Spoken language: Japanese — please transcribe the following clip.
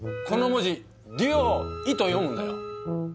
この文字「り」を「い」と読むんだよ。